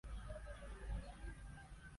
Umugore wambaye ishati yera na goggles yubururu